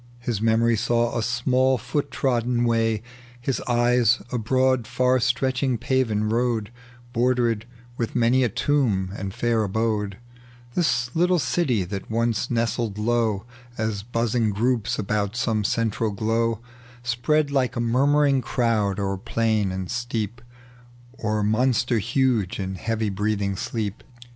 His memory saw a small ibot trodden way, His eyes a broad far stretching paven road Bordered with many a tomjj and fair abode ; The little city that once nestled low As buzzing groups about some central glow, Spread like a muimuiing crowd o'er plain and steep. Or monster huge in heavj' breathing sleep.